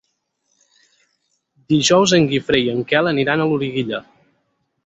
Dijous en Guifré i en Quel aniran a Loriguilla.